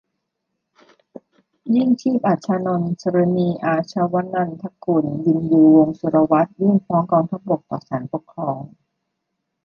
ยิ่งชีพ อัชฌานนท์ สฤณี อาชวานันทกุล วิญญู วงศ์สุรวัฒน์ ยื่นฟ้องกองทัพบกต่อศาลปกครอง